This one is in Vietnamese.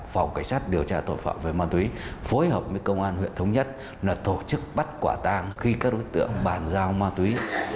phối hợp với công an huyện thống nhất là tổ chức bắt quả tàng khi các đối tượng bàn giao ma túy